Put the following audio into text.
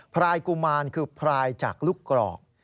พรายกุมารคือพรายจากลูกกรอก